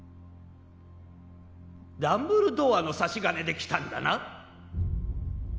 ダンブルドアの差し金で来たんだな？